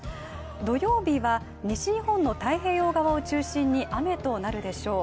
土曜日は西日本の太平洋側を中心に雨となるでしょう。